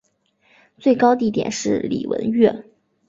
最高地点是礼文岳。